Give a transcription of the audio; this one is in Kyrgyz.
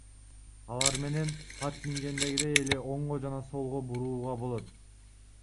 Алар менен ат мингендегидей эле оңго жана солго бурууга болот.